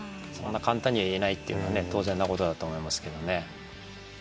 そんな簡単には言えないっていうのはね当然なことだと思いますけどね。